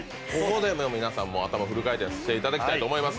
皆さんも頭をフル回転していただきたいと思います。